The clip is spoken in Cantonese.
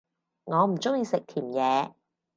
我唔鍾意食甜野